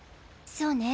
そうね。